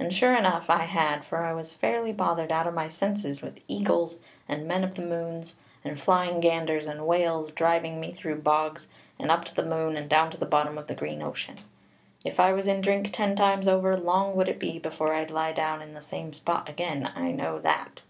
And sure enough I had: for I was fairly bothered out of my senses with eagles, and men of the moons, and flying ganders, and whales, driving me through bogs, and up to the moon, and down to the bottom of the green ocean. If I was in drink ten times over, long would it be before I'd lie down in the same spot again, I know that."